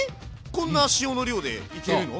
こんな塩の量でいけるの？